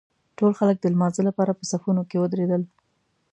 ټول خلک د لمانځه لپاره په صفونو کې ودرېدل.